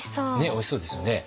おいしそうですよね。